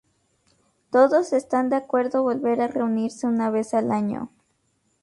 Todos están de acuerdo volver a reunirse una vez al año.